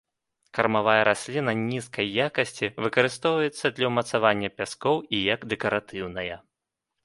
Кармавая расліна нізкай якасці, выкарыстоўваецца для ўмацавання пяскоў і як дэкаратыўная.